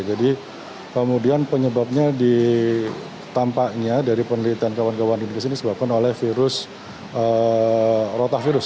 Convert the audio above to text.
jadi kemudian penyebabnya ditampaknya dari penelitian kawan kawan ini kesini sebabkan oleh virus rotavirus